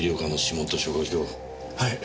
はい。